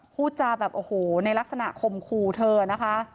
พูดจาแบบโอ้โหในลักษณะข่มขู่เธอนะคะ